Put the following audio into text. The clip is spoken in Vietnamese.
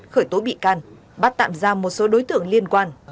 khởi tố bị can bắt tạm ra một số đối tượng liên quan